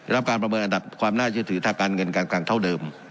รับการประเมินอันดับความน่าเชื่อถือทางการเงินการคลังเท่าเดิม